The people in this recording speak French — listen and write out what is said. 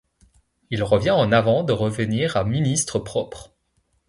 Il revient en avant de revenir à ministre propre.